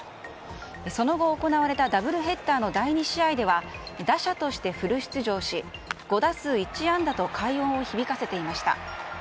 その後行われたダブルヘッダーの第２試合では打者としてフル出場し５打数１安打と快音を響かせていました。